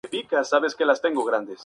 Habita en Birmania y en Indochina.